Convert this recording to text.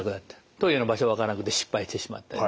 トイレの場所がわからなくて失敗してしまったり。